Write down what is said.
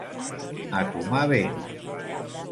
A tomar vent!